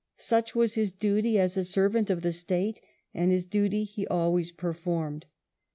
Such was his duty as a servant of the State, and his duty he always performed.